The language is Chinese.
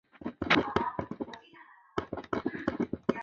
再来是仪表板